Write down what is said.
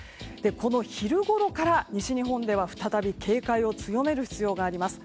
この昼ごろから西日本では再び警戒を強める必要があります。